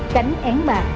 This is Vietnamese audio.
cánh én bạc